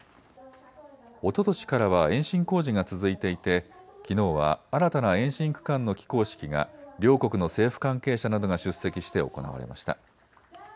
おととしからは延伸工事が続いていて、きのうは新たな延伸区間の起工式が両国の政府関係者などが出席して行われました。